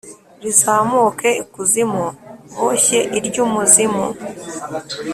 rizamuke ikuzimu boshye iry’umuzimu.